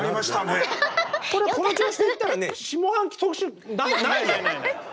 これこの調子でいったらね下半期特集ないよ。